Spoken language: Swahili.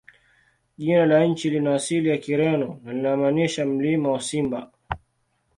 Jina la nchi lina asili ya Kireno na linamaanisha "Mlima wa Simba".